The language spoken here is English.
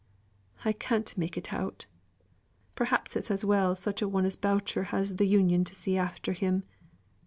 I can't make it out. Perhaps it's as well such a one as Boucher has th' Union to see after him.